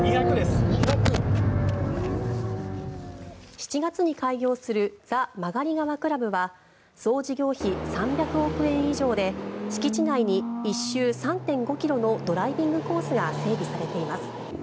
７月に開業するＴＨＥＭＡＧＡＲＩＧＡＷＡＣＬＵＢは総事業費３００億円以上で敷地内に１周３．５ｋｍのドライビングコースが整備されています。